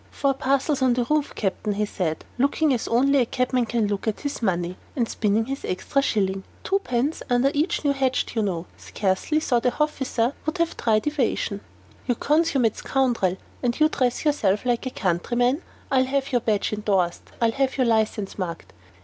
"Four parcels on the roof, Captain," he said, looking as only a cabman can look at his money, and spinning his extra shilling. "Twopence each under new hact, you know. Scarcely thought a hofficer would 'a tried evasion." "You consummate scoundrel and you dress yourself like a countryman! I'll have your badge indorsed I'll have your license marked.